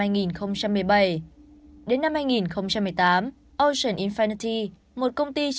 đến năm hai nghìn một mươi tám ocean infinity một công ty chế tạo robot hàng hải có trụ sở tại texas